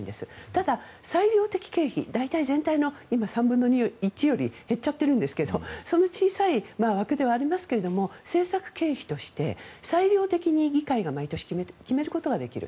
ただ、裁量的経費大体、全体の３分の１より減っちゃってるんですがその小さい枠ではありますが政策経費として裁量的に議会が毎年決めることができる。